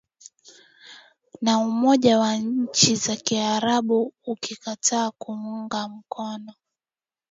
na umoja wa nchi za kiarabu ukikataa kuunga mkono